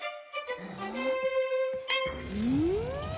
うん。